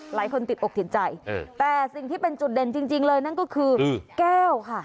หลายคนติดอกติดใจแต่สิ่งที่เป็นจุดเด่นจริงเลยนั่นก็คือแก้วค่ะ